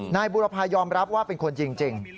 บุรพายอมรับว่าเป็นคนจริง